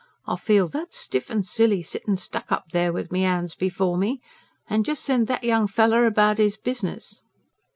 I feel that stiff and silly sittin' stuck up there with me 'ands before me. And jes' send that young feller about 'is business."